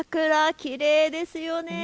きれいですね。